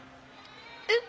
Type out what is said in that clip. え？